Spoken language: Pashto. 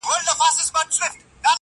اوښکي دې توی کړلې ډېوې، راته راوبهيدې~